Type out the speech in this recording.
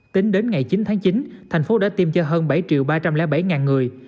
tính đến ngày chín tháng chín thành phố đã tiêm cho hơn bảy triệu ba trăm linh bảy người